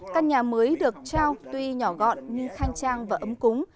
căn nhà mới được trao tuy nhỏ gọn nhưng khang trang và ấm cúng